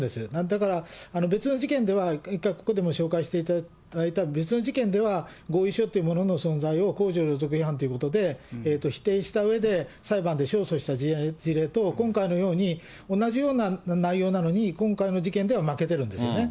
だから、別の事件では、一回、ここでも紹介していただいた別の事件では、合意書というものの存在を公序良俗違反ということで否定したうえで、裁判で勝訴した事例と、今回のように、同じような内容なのに、今回の事件では負けてるんですよね。